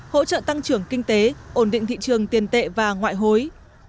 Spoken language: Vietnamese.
hỗ trợ tăng trưởng kinh tế ổn định thị trường tiền tệ và ngoại hối